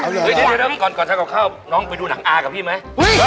เดี๋ยวก่อนทำกับข้าวน้องไปดูหนังอากับพี่ไหม